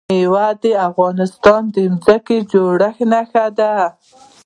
مېوې د افغانستان د ځمکې د جوړښت نښه ده.